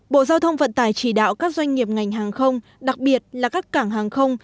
bộ giao thông vận tải chỉ đạo các doanh nghiệp ngành hàng không đặc biệt là các cảng hàng không